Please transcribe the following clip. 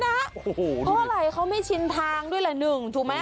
เพราะอะไรเขาไม่ชินทางด้วยแหละหนึ่งถูกไหม